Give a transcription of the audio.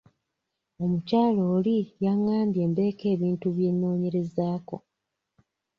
Omukyala oli yangambye mbeeko ebintu bye nnoonyerezaako.